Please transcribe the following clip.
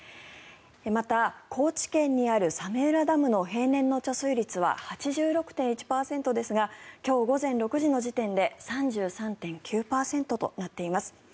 また、高知県にある早明浦ダムの平年の貯水率は８６．１％ですが今日午前６時の時点で３３．９％となっています。